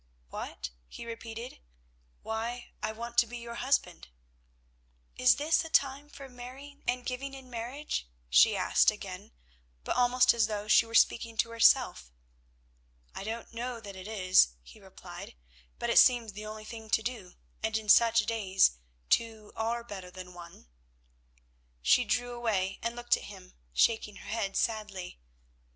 "What?" he repeated; "why I want to be your husband." "Is this a time for marrying and giving in marriage?" she asked again, but almost as though she were speaking to herself. "I don't know that it is," he replied, "but it seems the only thing to do, and in such days two are better than one." She drew away and looked at him, shaking her head sadly.